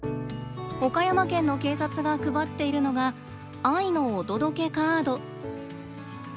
岡山県の警察が配っているのが「愛のお届けカード」。